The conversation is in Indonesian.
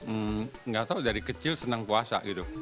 enggak tahu dari kecil senang puasa gitu